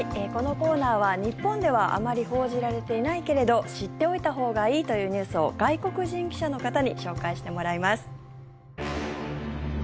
このコーナーは日本ではあまり報じられていないけれど知っておいたほうがいいというニュースを外国人記者の方に紹介してもらいます。